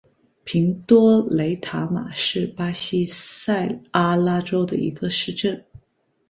平多雷塔马是巴西塞阿拉州的一个市镇。